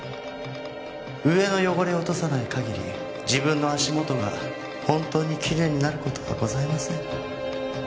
上の汚れを落とさない限り自分の足元が本当にきれいになる事はございません。